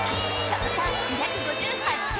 その差２５８点